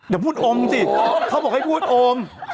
อย่าพูดโอมสิเขาบอกให้พูดโอม